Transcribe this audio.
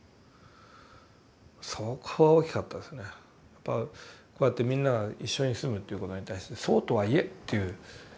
やっぱこうやってみんなが一緒に住むということに対してそうとはいえという。